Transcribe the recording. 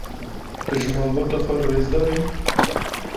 Tu ji malbata xwe re rêzdar î?